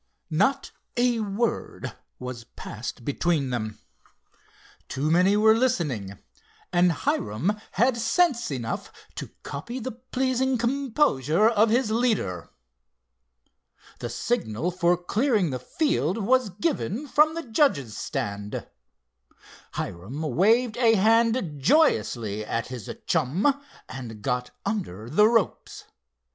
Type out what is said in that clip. Not a word passed between them. Too many were listening, and Hiram had sense enough to copy the pleasing composure of his leader. The signal for clearing the field was given from the judges' stand. Hiram waved a hand joyously at his chum, and got under the ropes.